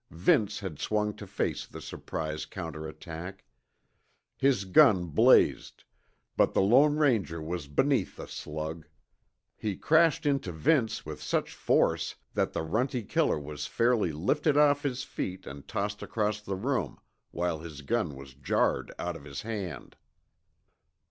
Vince had swung to face the surprise counterattack. His gun blazed, but the Lone Ranger was beneath the slug. He crashed into Vince with such force that the runty killer was fairly lifted off his feet and tossed across the room, while his gun was jarred out of his hand.